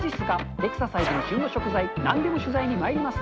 エクササイズに旬の食材、なんでも取材にまいります。